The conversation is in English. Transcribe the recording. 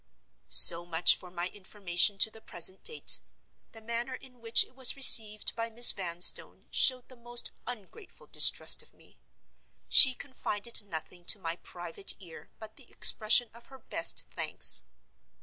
So much for my information to the present date. The manner in which it was received by Miss Vanstone showed the most ungrateful distrust of me. She confided nothing to my private ear but the expression of her best thanks.